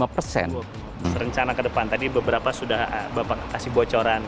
rencana ke depan tadi beberapa sudah bapak kasih bocoran